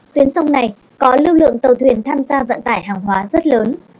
tuyến sông này có lưu lượng tàu thuyền tham gia vận tải hàng hóa rất lớn